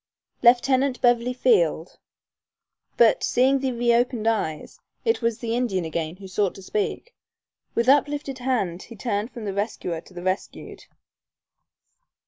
Lieutenant Beverly Field; but, seeing the reopened eyes it was the Indian again who sought to speak. With uplifted hand he turned from the rescuer to the rescued.